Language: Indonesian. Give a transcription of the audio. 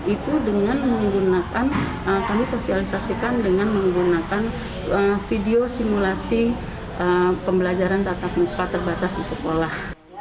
itu dengan menggunakan kami sosialisasikan dengan menggunakan video simulasi pembelajaran tatap muka terbatas di sekolah